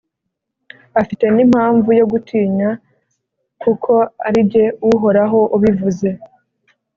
afite n’impamvu yo gutinya kuko ari jye Uhoraho ubivuze